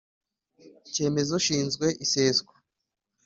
cyemeza ushinzwe iseswa